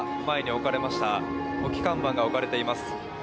置き看板が置かれています。